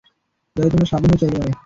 যাতে তোমরা সাবধান হয়ে চলতে পার।